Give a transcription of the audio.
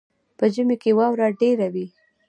په ژمي کې واوره ډیره وي.